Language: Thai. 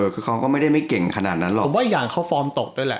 คือเขาก็ไม่ได้ไม่เก่งขนาดนั้นหรอกผมว่าอย่างเขาฟอร์มตกด้วยแหละ